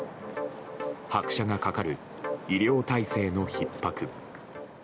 拍車がかかる医療体制のひっ迫。